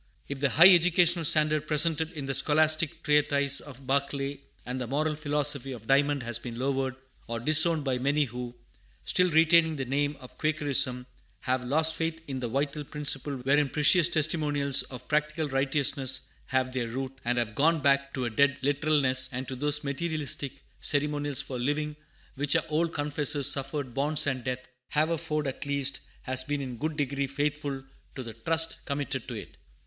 If the high educational standard presented in the scholastic treatise of Barclay and the moral philosophy of Dymond has been lowered or disowned by many who, still retaining the name of Quakerism, have lost faith in the vital principle wherein precious testimonials of practical righteousness have their root, and have gone back to a dead literalness, and to those materialistic ceremonials for leaving which our old confessors suffered bonds and death, Haverford, at least, has been in a good degree faithful to the trust committed to it.